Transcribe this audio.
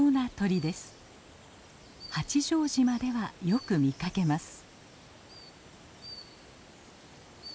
八丈島ではよく見かけます。